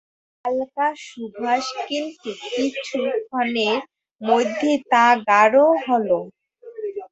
হালকা সুবাস, কিন্তু কিছুক্ষণের মধ্যেই তা গাঢ় হলো।